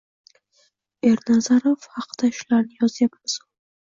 Ernazarov haqda shularni yozayapmizu